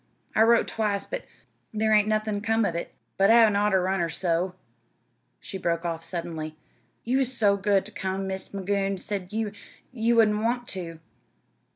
I've wrote twice, but thar hain't nothin' come of it.... But I hadn't oughter run on so," she broke off suddenly. "You was so good ter come. Mis' Magoon said you you wouldn't want to."